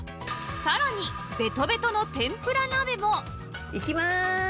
さらにベトベトの天ぷら鍋もいきまーす。